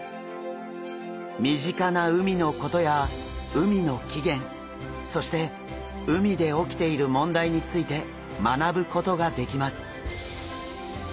身近な海のことや海の起源そして海で起きている問題について学ぶことができます。